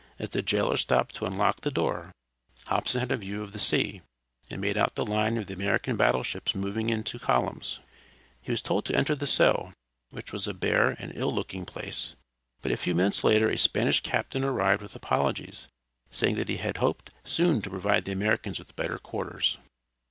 As the jailer stopped to unlock the door Hobson had a view of the sea, and made out the line of the American battle ships moving in two columns. He was told to enter the cell, which was a bare and ill looking place, but a few minutes later a Spanish captain arrived with apologies, saying that he hoped soon to provide the Americans with better quarters.